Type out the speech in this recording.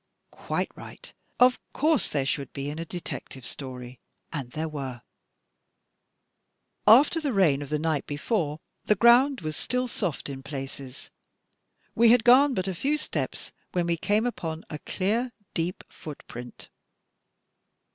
Quite right, of course there should be in a detective story. And there were. After the rain of the night before, the ground was still soft in I go THE TECHNIQUE OF THE MYSTERY STORY places. We had gone but a few steps when we came upon a clear deep footprint."